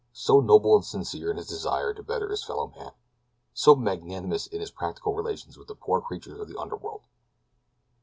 "So noble and sincere in his desire to better his fellow man! So magnanimous in his practical relations with the poor creatures of the under world!"